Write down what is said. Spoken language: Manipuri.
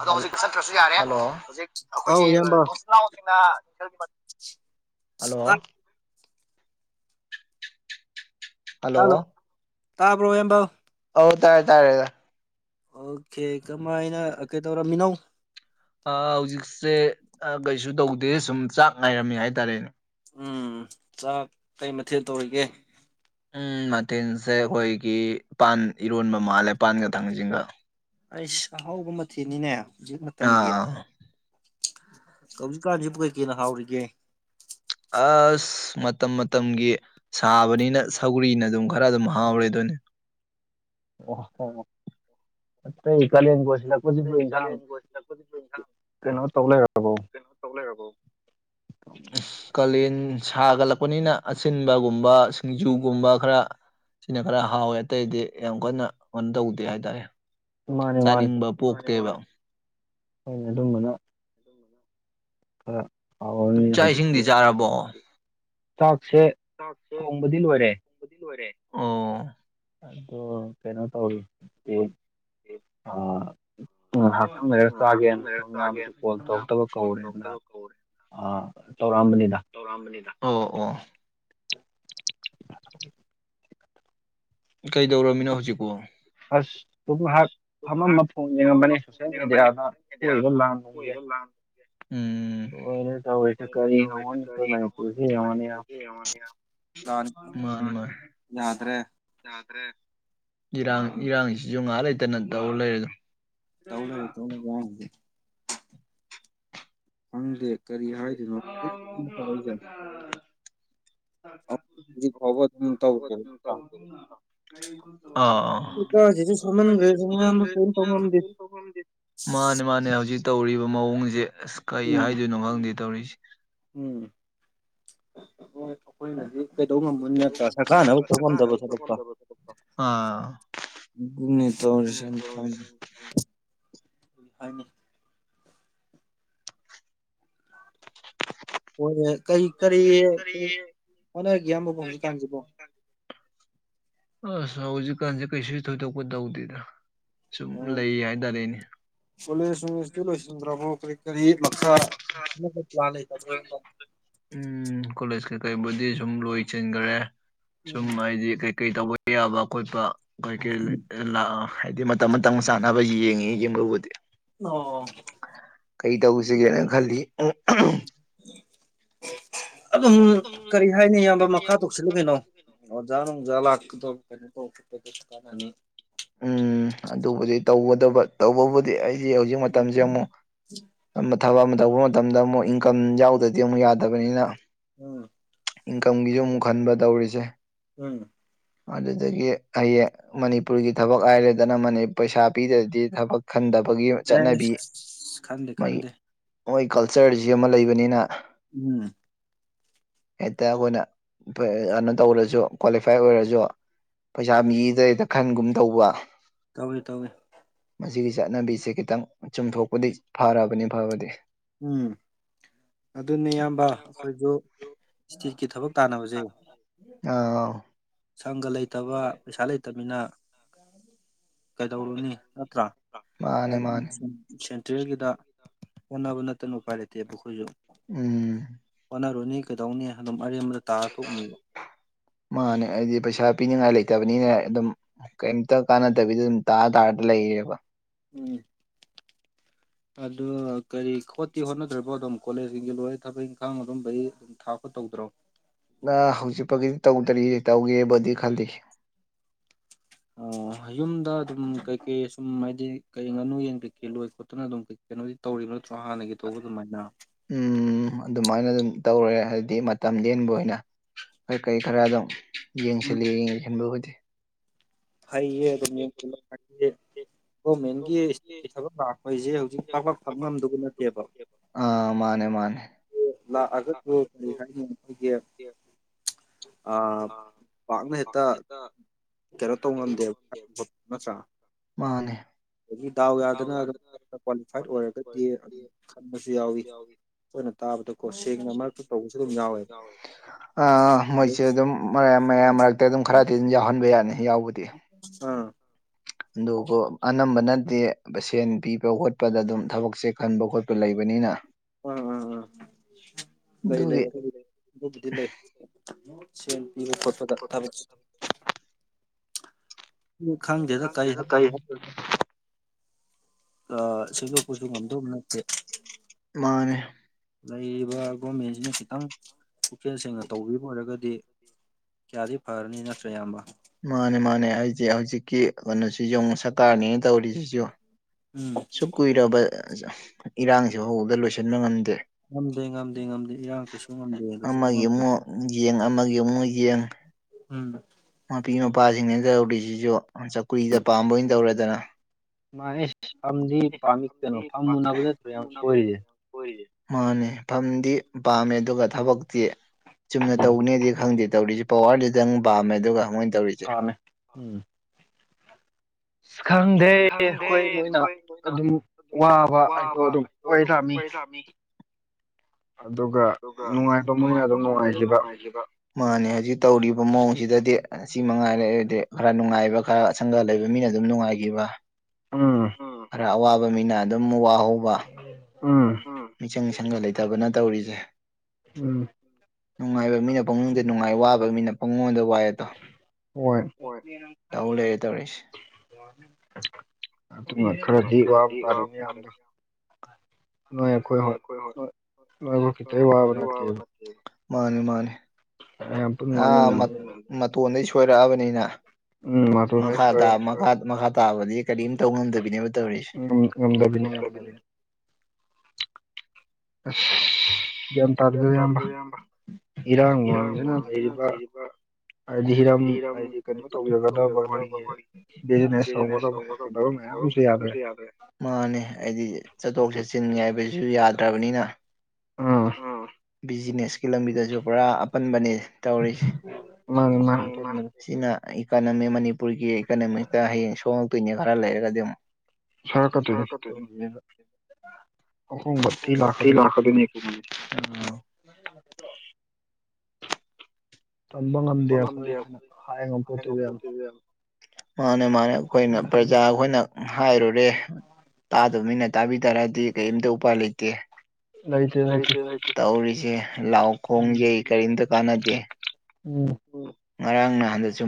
ꯑꯗꯣ ꯍꯧꯖꯤꯛ ꯆꯠꯇ꯭ꯔꯁꯨ ꯌꯥꯔꯦ ꯍꯜꯂꯣ ꯍꯧꯖꯤꯛ ꯑꯩꯈꯣꯏꯒꯤ [unintelligible] ꯏꯆꯤꯜ ꯏꯅꯥꯎꯁꯤꯡꯅ [unintelligible] ꯍꯜꯂꯣ ꯍꯜꯂꯣ ꯇꯥꯕ꯭ꯔꯣ ꯏꯌꯥꯝꯕ ꯑꯧ ꯇꯥꯏꯔꯦ ꯇꯥꯔꯦꯗ ꯑꯣꯀꯦ ꯀꯃꯥꯏꯅ ꯑꯥ ꯀꯩꯗꯧꯔꯝꯃꯤꯅꯣ ꯑꯥ ꯍꯧꯖꯤꯛꯁꯦ ꯑꯥ ꯀꯩꯁꯨ ꯇꯧꯗꯦ ꯁꯨꯝ ꯆꯥꯛ ꯉꯥꯏꯔꯝꯃꯤ ꯍꯥꯏꯇꯥꯔꯦꯅꯦ ꯎꯝ ꯆꯥꯛ ꯀꯩ ꯃꯊꯦꯜ ꯇꯧꯔꯤꯒꯦ ꯎꯝ ꯃꯊꯦꯜꯖꯦ ꯑꯩꯈꯣꯏꯒꯤ ꯄꯥꯟ ꯏꯔꯣꯟꯕ ꯃꯥꯜꯂꯦ ꯄꯥꯟꯒ ꯊꯥꯡꯖꯤꯡꯒ ꯑꯩꯁ ꯑꯍꯥꯎꯕ ꯃꯊꯦꯜꯅꯤꯅꯦ ꯍꯧꯖꯤꯛ ꯃꯇꯝꯒꯤ ꯍꯧꯖꯤꯛꯀꯥꯟꯖꯤꯕꯨ ꯀꯩꯀꯩꯅ ꯍꯥꯎꯔꯤꯒꯦ ꯑꯁ ꯃꯇꯝ ꯃꯇꯝꯒꯤ ꯁꯥꯕꯅꯤꯅ ꯁꯧꯒꯔꯤꯅ ꯑꯗꯨꯝ ꯈꯔ ꯑꯗꯨꯝ ꯍꯥꯎꯔꯦ ꯑꯗꯨꯅꯤ ꯑꯣ ꯑꯣ ꯑꯣ ꯑꯇꯩ ꯀꯥꯂꯦꯜꯒ ꯑꯣꯏꯁꯜꯂꯛ ꯑꯦ ꯀꯥꯂꯦꯟ ꯂꯣꯏꯁꯤꯜꯂꯛꯄꯖꯤꯗ ꯀꯩꯅꯣ ꯇꯧ ꯂꯩꯔꯕꯣ [inaudible] ꯀꯥꯂꯦꯟ ꯁꯥꯒꯠꯂꯛꯄꯅꯤꯅ ꯑꯁꯤꯟꯕꯒꯨꯝꯕ ꯁꯤꯡꯖꯨꯒꯨꯝꯕ ꯈꯔ ꯁꯤꯅ ꯈꯔ ꯍꯥꯎꯋꯦ ꯑꯇꯩꯗꯤ ꯌꯥꯝ ꯀꯟꯅ ꯀꯟ ꯇꯧꯗꯦ ꯍꯥꯏꯇꯥꯔꯦ ꯆꯥꯅꯤꯡꯕ ꯄꯣꯛꯇꯦꯕ ꯍꯣꯏ ꯑꯗꯨꯝꯕꯅ [inaudible] ꯈꯔ ꯆꯥꯛ ꯏꯁꯤꯡꯗꯤ ꯆꯥꯔꯕꯣ ꯆꯥꯛꯁꯦ ꯆꯥꯛꯁꯦ ꯂꯣꯏꯗꯤ ꯂꯣꯏꯔꯦ ꯑꯣ ꯑꯗꯣ ꯀꯩꯅꯣ ꯇꯧꯔꯤ ꯌꯦ ꯑꯥ ꯉꯥꯍꯥꯛꯇꯪ ꯂꯩꯔꯒ ꯆꯥꯒꯦꯅ ꯁꯣꯝ ꯏꯌꯥꯝꯕꯁꯨ ꯀꯣꯜ ꯇꯧꯔꯛꯇꯕ ꯀꯧꯔꯦꯗꯅ ꯑꯥ ꯇꯧꯔꯛꯑꯝꯕꯅꯤꯗ ꯇꯧꯔꯛꯑꯝꯕꯅꯤꯗ ꯑꯣ ꯑꯣ ꯀꯩꯗꯧꯔꯝꯃꯤꯅꯣ ꯍꯧꯖꯤꯛꯄꯣ ꯑꯁ ꯁꯨꯝ ꯉꯥꯍꯥꯛ ꯐꯝꯃꯝꯕ ꯐꯣꯟ ꯌꯦꯡꯉꯝꯕꯅꯦ ꯁꯣꯁꯦꯜ ꯃꯦꯗꯤꯌꯥꯗ ꯊꯣꯛꯏꯕ ꯂꯥꯟꯅꯨꯡꯖꯦ ꯎꯝ ꯂꯣꯏꯔꯦ ꯇꯧꯔꯤꯁꯦ ꯀꯔꯤ [unintelligible] ꯑꯩꯈꯣꯏ ꯃꯅꯤꯄꯨꯔꯖꯦ ꯌꯦꯡꯉꯣꯅꯦ ꯃꯥꯅꯦ ꯃꯥꯅꯦ ꯌꯥꯗ꯭ꯔꯦ ꯌꯥꯗ꯭ꯔꯦ ꯏꯔꯥꯡ ꯏꯔꯥꯡꯖꯤꯁꯨ ꯉꯥꯍꯥꯛ ꯂꯩꯇꯅ ꯇꯧ ꯂꯩꯔꯦꯗ ꯇꯧ ꯂꯩꯔꯦ [unintelligible] ꯈꯪꯗꯦ ꯀꯔꯤ ꯍꯥꯏꯗꯨꯏꯅꯣ [unintelligible] [unintelligible] [unintelligible] ꯃꯥꯅꯦ ꯃꯥꯅꯦ ꯍꯧꯖꯤꯛ ꯇꯧꯔꯤꯕ ꯃꯑꯣꯡꯖꯦ ꯑꯁ ꯀꯩ ꯍꯥꯏꯗꯨꯏꯅꯣ ꯈꯪꯗꯦ ꯇꯧꯔꯤꯁꯤ ꯎꯝ ꯍꯣꯏ ꯑꯩꯈꯣꯏꯅꯗꯤ ꯀꯩꯗꯧ ꯉꯝꯃꯨꯅꯤ ꯅꯠꯇ꯭ꯔꯥ ꯁꯔꯀꯥꯔꯅꯕꯨꯛ ꯇꯧ ꯉꯝꯗꯕ ꯊꯕꯛꯇꯣ ꯑꯗꯨꯅꯦ ꯇꯧꯔꯤꯁꯦ [unintelligible] ꯍꯣꯏꯌꯦ ꯀꯔꯤ ꯀꯔꯤ ꯍꯣꯠꯅꯔꯤꯒꯦ ꯏꯌꯥꯝꯕꯕꯨ ꯍꯧꯖꯤꯛꯀꯥꯟꯖꯤꯕꯣ [inaudible] ꯑꯁ ꯍꯧꯖꯤꯛꯀꯥꯟꯁꯦ ꯀꯩꯁꯨ ꯊꯣꯏꯗꯣꯛꯄ ꯇꯧꯗꯦꯗ ꯁꯨꯝ ꯂꯩ ꯍꯥꯏꯇꯥꯔꯦꯅꯦ ꯀꯣꯂꯦꯖ ꯅꯨꯡꯂꯦꯁꯇꯤ ꯂꯣꯏꯁꯤꯟꯒ꯭ꯔꯕꯣ ꯀꯔꯤ ꯀꯔꯤ ꯃꯈꯥ ꯑꯃꯨꯛꯀ ꯄ꯭ꯂꯥꯟ ꯂꯩ ꯎꯝ ꯀꯣꯂꯦꯖ ꯀꯩꯀꯩꯕꯨꯗꯤ ꯁꯨꯝ ꯂꯣꯏꯖꯤꯟꯒ꯭ꯔꯦ ꯁꯨꯝ ꯍꯥꯏꯗꯤ ꯀꯩꯀꯩ ꯇꯧꯕ ꯌꯥꯕ ꯈꯣꯠꯄ ꯀꯩꯀꯩ ꯂꯦ ꯂꯥꯛꯑꯣ ꯍꯥꯏꯗꯤ ꯃꯇꯝ ꯃꯇꯝ ꯆꯥꯅꯕ ꯌꯦꯡꯉꯤ [unintelligible] ꯑꯣ ꯀꯩ ꯇꯧꯁꯤꯒꯦ ꯈꯜꯂꯤ ꯑꯗꯨꯝ ꯀꯔꯤ ꯍꯥꯏꯅꯤ ꯏꯌꯥꯝꯕ ꯃꯈꯥ ꯇꯧꯁꯤꯜꯂꯨ ꯀꯩꯅꯣ ꯑꯣꯖꯥ ꯅꯨꯡꯖꯥ [unintelligible] ꯀꯥꯟꯅꯅꯤ ꯎꯝ ꯑꯗꯨꯕꯨꯗꯤ ꯇꯧꯒꯗꯕ ꯇꯧꯕꯕꯨꯗꯤ ꯑꯩꯖꯦ ꯍꯧꯖꯤꯛ ꯃꯇꯝꯖꯦ ꯑꯃꯨꯛ ꯑꯃ ꯊꯕꯛ ꯑꯃ ꯇꯧꯕ ꯃꯇꯝꯗ ꯑꯃꯨꯛ ꯏꯟꯀꯝ ꯌꯥꯎꯗ꯭ꯔꯗꯤ ꯑꯃꯨꯛ ꯌꯥꯗꯕꯅꯤꯅ ꯎꯝ ꯏꯟꯀꯝꯒꯤꯁꯨ ꯑꯃꯨꯛ ꯈꯟꯕ ꯇꯧꯔꯤꯖꯦ ꯎꯝ ꯑꯗꯨꯗꯒꯤ ꯍꯌꯦꯡ ꯃꯅꯤꯄꯨꯔꯒꯤ ꯊꯕꯛ ꯍꯥꯏꯔꯦꯗꯅ ꯃꯅꯤ ꯄꯩꯁꯥ ꯄꯤꯗ꯭ꯔꯗꯤ ꯊꯕꯛ ꯈꯟꯗꯕꯒꯤ ꯆꯠꯅꯕꯤ ꯃꯩ ꯃꯣꯏ ꯀꯜꯆꯔꯖꯤ ꯑꯃ ꯂꯩꯕꯅꯤꯅ ꯎꯝ ꯍꯦꯛꯇ ꯑꯩꯈꯣꯏꯅ ꯀꯩꯅꯣ ꯇꯧꯔꯖꯨ ꯀ꯭ꯋꯥꯂꯤꯐꯥꯏ ꯑꯣꯏꯔꯖꯨ [unintelligible] ꯄꯩꯁꯥ ꯃꯤꯗꯣ ꯍꯦꯛꯇꯥ ꯈꯟꯒꯨꯝ ꯇꯧꯕ ꯇꯧꯋꯦ ꯇꯧꯋꯦ ꯃꯁꯤꯒꯤ ꯆꯠꯅꯕꯤꯁꯦ ꯈꯤꯇꯪ ꯆꯨꯝꯊꯣꯛꯄꯗꯤ ꯐꯔꯕꯅꯤ ꯐꯕꯗꯤ ꯎꯝ ꯑꯗꯨꯅꯤ ꯏꯌꯥꯝꯕ ꯑꯩꯈꯣꯏꯖꯨ ꯁꯇꯦꯠꯀꯤ ꯊꯕꯛ ꯑꯧ ꯁꯪꯒ ꯂꯩꯇꯕ ꯄꯩꯁꯥ ꯂꯩꯇꯃꯤꯅ ꯀꯩꯗꯧꯔꯨꯅꯤ ꯅꯠꯇ꯭ꯔꯥ ꯑꯗꯨꯝ ꯁꯦꯟꯇ꯭ꯔꯦꯜꯒꯤꯗ ꯍꯣꯠꯅꯕ ꯅꯠꯇꯅ ꯎꯄꯥꯏ ꯂꯩꯇꯦꯕ ꯑꯩꯈꯣꯏꯒꯤꯖꯨ ꯎꯝ ꯍꯣꯠꯅꯔꯨꯅꯤ ꯀꯩꯗꯧꯅꯤ ꯑꯗꯨꯝ ꯑꯔꯦꯝꯕꯗ ꯇꯥꯔ ꯇꯣꯛꯅꯤꯕ ꯃꯥꯅꯦ ꯍꯥꯏꯗꯤ ꯄꯩꯁꯥ ꯄꯤꯅꯤꯡꯉꯥꯏ ꯂꯩꯇꯕꯅꯤꯅ ꯑꯗꯨꯝ ꯀꯩꯝꯇ ꯀꯥꯟꯅꯗꯕꯤꯗ ꯑꯗꯨꯝ ꯇꯥꯔ ꯇꯥꯔꯗ ꯂꯩꯌꯦꯕ ꯎꯝ ꯑꯗꯨ ꯀꯔꯤ ꯈꯣꯠꯇꯤ ꯍꯣꯠꯅꯗ꯭ꯔꯕꯣ ꯑꯗꯨꯝ ꯀꯣꯂꯦꯖꯁꯤꯡꯒꯤ ꯂꯣꯏꯔ ꯊꯕꯛ ꯏꯪꯈꯥꯡ ꯑꯗꯨꯝꯕꯩ ꯊꯥ ꯀꯣꯠ ꯇꯧꯗ꯭ꯔꯣ ꯅ ꯍꯧꯖꯤꯛꯄꯥꯎꯒꯤꯗꯤ ꯇꯧꯗꯔꯤ ꯇꯧꯒꯦꯕꯨꯗꯤ ꯈꯜꯂꯤ ꯑꯣ ꯌꯨꯝꯗ ꯑꯗꯨꯝ ꯀꯩꯀꯩ ꯁꯨꯝ ꯍꯥꯏꯗꯤ ꯀꯩ ꯉꯥꯅꯨ ꯌꯦꯟ ꯀꯩꯀꯩ ꯂꯣꯏ ꯈꯣꯠꯇꯅ ꯑꯗꯨꯝ ꯀꯩ ꯀꯩꯅꯣꯗꯤ ꯇꯧꯔꯤꯕ ꯅꯠꯇ꯭ꯔꯣ ꯍꯥꯟꯅꯒꯤ ꯇꯧꯕ ꯑꯗꯨꯃꯥꯏꯅ ꯎꯝ ꯑꯗꯨꯃꯥꯏꯅ ꯑꯗꯨꯝ ꯇꯧꯔꯦ ꯍꯥꯏꯗꯤ ꯃꯇꯝ ꯂꯦꯟꯕ ꯑꯣꯏꯅ ꯀꯩꯀꯩ ꯈꯔ ꯑꯗꯨꯝ ꯌꯦꯡꯁꯤꯜꯂꯤ ꯌꯦꯡꯁꯤꯟꯕꯕꯨꯗꯤ ꯐꯩꯌꯦ ꯑꯗꯨꯝ ꯌꯦꯡꯁꯤꯟꯕ ꯐꯩꯌꯦ ꯒꯣꯔꯃꯦꯟꯒꯤ ꯏꯁꯇꯦꯠꯀꯤ ꯊꯕꯛ ꯂꯥꯛꯄꯩꯁꯦ ꯍꯧꯖꯤꯛ ꯄꯥꯛꯄꯥꯛ ꯐꯪ ꯉꯝꯗꯧꯕ ꯅꯠꯇꯦꯕ ꯑꯥ ꯃꯥꯅꯦ ꯃꯥꯅꯦ ꯂꯥꯛꯑꯒꯁꯨ ꯀꯔꯤ ꯍꯥꯏꯅꯤ ꯑꯩꯈꯣꯏꯒꯤ ꯑ ꯄꯥꯛꯅ ꯍꯦꯛꯇ ꯀꯩꯅꯣ ꯇꯧ ꯉꯝꯗꯦꯕ ꯅꯠꯇ꯭ꯔꯥ ꯃꯥꯅꯦ ꯑꯗꯒꯤ ꯗꯥꯎ ꯌꯥꯗꯅ ꯑꯗꯨꯝ ꯀ꯭ꯋꯥꯂꯤꯐꯥꯏꯠ ꯑꯣꯏꯔꯒꯗꯤ ꯑꯗꯨꯝ ꯈꯟꯕꯁꯨ ꯌꯥꯎꯋꯤ ꯑꯥ ꯃꯣꯏ ꯁꯤ ꯑꯗꯨꯝ ꯃꯌꯥꯝ ꯃꯌꯥꯝ ꯃꯔꯛꯇ ꯑꯗꯨꯝ ꯈꯔꯗꯤ ꯑꯗꯨꯝ ꯌꯥꯎꯍꯟꯕ ꯌꯥꯅꯤ ꯌꯥꯎꯕꯨꯗꯤ ꯑꯥ ꯑꯗꯨꯕꯨ ꯑꯅꯝꯕꯅꯗꯤ ꯕ ꯁꯦꯟ ꯄꯤꯕ ꯈꯣꯠꯄꯗ ꯑꯗꯨꯝ ꯊꯕꯛꯁꯦ ꯈꯟꯕ ꯈꯣꯠꯄ ꯂꯩꯕꯅꯤꯅ ꯑꯥ ꯑꯥ ꯑꯥ ꯂꯩ ꯂꯩ ꯑꯗꯨꯕꯨꯗꯤ ꯑꯗꯨꯕꯨꯗꯤ ꯂꯩ ꯁꯦꯟ ꯄꯤꯕ ꯈꯣꯠꯄꯗ ꯊꯕꯛꯁꯦ ꯗꯨꯝ ꯈꯪꯗꯦꯗ ꯀꯩ ꯍꯥꯏꯗꯣꯢꯅꯣ ꯑ ꯁꯦꯝꯗꯣꯛꯄꯖꯨ ꯉꯝꯗꯧ ꯅꯠꯇꯦ ꯂꯩꯔꯤꯕ ꯒꯣꯔꯃꯦꯟꯁꯤꯅ ꯈꯤꯇꯪ ꯄꯨꯛꯆꯦꯜ ꯁꯦꯡꯅ ꯇꯧꯕꯤꯕ ꯑꯣꯏꯔꯒꯗꯤ ꯀꯌꯥꯗꯤ ꯐꯔꯅꯤ ꯅꯠꯇ꯭ꯔ ꯏꯌꯥꯝꯕ ꯃꯥꯅꯦ ꯃꯥꯅꯦ ꯑꯩꯁꯦ ꯍꯧꯖꯤꯛꯀꯤ ꯀꯩꯅꯣꯁꯤ ꯌꯣꯡꯉꯣ ꯁꯔꯀꯥꯔꯅꯦ ꯇꯧꯔꯤꯁꯤꯁꯨ ꯎꯝ ꯀꯨꯏꯔꯕ ꯏꯔꯥꯡꯖꯦ ꯕꯧꯕꯗ ꯂꯣꯏꯁꯟꯕ ꯉꯝꯗꯦ ꯉꯝꯗꯦ ꯉꯝꯗꯦ ꯉꯝꯗꯦ ꯏꯔꯥꯡ ꯀꯩꯁꯨ ꯉꯝꯗꯦ ꯂꯣꯏꯁꯤꯟꯕ ꯉꯝꯗꯦ ꯌꯦꯡ ꯑꯃꯒꯤ ꯑꯃꯨꯛ ꯌꯦꯡ ꯎꯝ ꯃꯄꯤ ꯃꯄꯥꯖꯤꯡꯅꯦ ꯇꯧꯔꯤꯁꯤꯁꯨ ꯆꯧꯀ꯭ꯔꯤꯗ ꯄꯥꯝꯕ ꯑꯣꯏꯅ ꯇꯧꯔꯗꯅ ꯃꯥꯅꯦ ꯑꯁ ꯐꯝꯗꯤ ꯄꯥꯝꯃꯤ ꯀꯩꯅꯣ ꯐꯝ ꯃꯨꯅꯕꯗ ꯅꯠꯇ꯭ꯔ ꯌꯥꯝ ꯁꯣꯏꯔꯤꯖꯦ [unintelligible] ꯃꯥꯅꯦ ꯐꯝꯗꯤ ꯄꯥꯝꯃꯦ ꯑꯗꯨꯒ ꯊꯕꯛꯇꯤ ꯆꯨꯝꯅ ꯇꯧꯕꯅꯦꯗꯤ ꯈꯪꯗꯦ ꯇꯧꯔꯤꯖꯦ ꯄꯋꯥꯔꯗꯨꯗꯪ ꯄꯥꯝꯃꯦ ꯑꯗꯨꯒ ꯃꯣꯏ ꯄꯥꯝꯃꯦ ꯎꯝ ꯑꯁ ꯈꯪꯗꯦ ꯈꯣꯏ ꯅꯣꯏꯅ ꯑꯗꯨꯝ ꯋꯥꯕ ꯍꯥꯏꯗꯣ ꯑꯗꯨꯝ ꯑꯣꯏꯔꯥꯝꯃꯤ [unintelligible] ꯑꯗꯨꯒ ꯅꯨꯡꯉꯥꯏꯕ ꯃꯣꯏꯅ ꯑꯗꯨꯝ ꯅꯨꯡꯉꯥꯏꯖꯕ ꯃꯥꯅꯦ ꯍꯧꯖꯤꯛ ꯇꯧꯔꯤꯕ ꯃꯑꯣꯡꯁꯤꯗꯗꯤ ꯑꯁꯤ ꯃꯉꯥꯏꯔꯦ ꯑꯩꯗꯤ ꯈꯔ ꯅꯨꯡꯉꯥꯏꯕ ꯈꯔ ꯁꯪꯒ ꯂꯩꯕ ꯃꯤꯅ ꯑꯗꯨꯝ ꯅꯨꯡꯉꯥꯏꯒꯤꯕ ꯑꯝ ꯈꯔ ꯑꯋꯥꯕ ꯃꯤꯅ ꯑꯗꯨꯝ ꯋꯥꯍꯧꯕ ꯃꯤꯆꯪ ꯁꯪꯒ ꯂꯩꯇꯕꯅ ꯇꯧꯔꯤꯖꯦ ꯎꯝ ꯅꯨꯡꯉꯥꯏꯕ ꯃꯤꯅ ꯄꯪꯅꯨꯡꯗ ꯅꯨꯡꯉꯥꯏ ꯋꯥꯕ ꯃꯤꯅ ꯄꯪꯋꯥꯗ ꯋꯥꯏ ꯑꯗꯣ ꯍꯣꯏ ꯇꯧ ꯂꯩꯔꯦ ꯇꯧꯔꯤꯁꯦ [unintelligible] ꯑꯗꯨꯅ ꯈꯔꯗꯤ ꯋꯥꯕ ꯇꯥꯔꯦ ꯏꯌꯥꯝꯕ ꯅꯣꯏ ꯑꯈꯣꯏ ꯍꯣꯏ ꯍꯣꯏ [unintelligible] ꯈꯤꯇ ꯋꯥꯕ ꯅꯠꯇꯦꯕ ꯃꯥꯅꯤ ꯃꯥꯅꯤ ꯑꯦꯝ ꯑꯥ ꯃꯠ ꯃꯇꯣꯟꯗꯩ ꯁꯣꯏꯔꯛꯑꯕꯅꯤꯅ ꯃꯈꯥ ꯇꯥ ꯃꯈꯥ ꯃꯈꯥ ꯇꯥꯕꯗꯤ ꯀꯔꯤꯝ ꯇꯧ ꯉꯝꯗꯕꯤꯅꯦꯕ ꯇꯧꯔꯤꯁꯦ ꯉꯝꯗꯕꯤꯅꯦ ꯉꯝꯗꯕꯤꯅꯦ ꯑꯁ ꯒ꯭ꯌꯥꯟ ꯇꯥꯗꯦꯗ ꯏꯌꯥꯝꯕ ꯏꯔꯥꯡ ꯅꯨꯡꯂꯥꯡꯖꯤꯅ ꯂꯩꯔꯤꯕ ꯑꯗꯒꯤ ꯍꯤꯔꯝ ꯍꯥꯏꯗꯤ ꯀꯩꯅꯣ ꯇꯧꯖꯒꯗꯕ ꯑꯈꯣꯏꯒꯤ ꯕꯤꯖꯤꯅꯦꯁ ꯇꯧꯒꯗꯕ [unintelligible] ꯃꯌꯥꯝꯁꯨ ꯌꯥꯗ꯭ꯔꯦ ꯃꯥꯅꯦ ꯑꯩꯗꯤ ꯆꯠꯊꯣꯛ ꯆꯠꯁꯤꯟꯅꯤ ꯍꯥꯏꯕꯁꯨ ꯌꯥꯗ꯭ꯔꯕꯅꯤꯅ ꯑ ꯕꯤꯖꯤꯅꯦꯁꯀꯤ ꯂꯝꯕꯤꯗꯁꯨ ꯄꯨꯔꯥ ꯑꯄꯟꯕꯅꯦ ꯇꯧꯔꯤꯁꯦ [unintelligible] ꯁꯤꯅ ꯏꯀꯅꯣꯃꯤ ꯃꯅꯤꯄꯨꯔꯒꯤ ꯏꯀꯅꯣꯃꯤꯛꯇ ꯍꯌꯦꯡ ꯁꯣꯡꯉꯛꯇꯨꯏꯅꯦ ꯈꯔ ꯂꯩꯔꯒꯗꯤ ꯑꯃꯨꯛ ꯁꯣꯏꯔꯛꯀꯗꯣꯏꯅꯤ ꯏꯀꯣꯅꯣꯃꯤꯗ ꯑꯍꯣꯡꯕ ꯊꯤ ꯂꯥꯛꯀꯗꯨꯏꯅꯤ [unintelligible] ꯇꯝꯕ ꯉꯝꯗꯦ ꯑꯩꯈꯣꯏꯅ ꯍꯥꯏ ꯉꯝꯄꯣꯠꯇꯦꯗ ꯌꯥꯝꯅ ꯃꯥꯅꯦ ꯃꯥꯅꯦ ꯑꯩꯈꯣꯏꯅ ꯄ꯭ꯔꯖꯥ ꯑꯩꯈꯣꯏꯅ ꯎꯝ ꯍꯥꯏꯔꯨꯔꯦ ꯇꯥꯗꯕ ꯃꯤꯅ ꯇꯥꯕꯤꯗꯔꯗꯤ ꯀꯦꯝꯇ ꯎꯄꯥꯏ ꯂꯩꯇꯦ ꯂꯩꯇ꯭ꯔꯦ ꯂꯩꯇꯦ ꯇꯧꯔꯤꯖꯦ ꯂꯥꯎ ꯈꯣꯡꯌꯩ ꯀꯔꯤꯝꯇ ꯀꯥꯟꯅꯗꯦ ꯉꯔꯥꯡ ꯅꯍꯥꯟꯗꯁꯨ